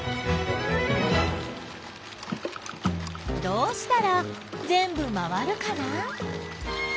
どうしたらぜんぶ回るかな？